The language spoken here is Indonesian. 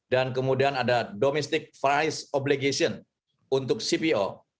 dan kemudian ada domestic price obligation untuk cpo